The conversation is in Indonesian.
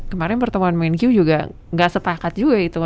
kemarin pertemuan menkyu juga nggak sepakat juga gitu